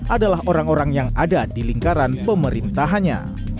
adalah orang orang yang ada di lingkaran pemerintahannya